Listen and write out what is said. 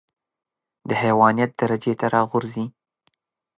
د حيوانيت درجې ته راغورځي.